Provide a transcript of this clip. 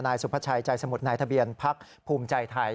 สุภาชัยใจสมุทรนายทะเบียนพักภูมิใจไทย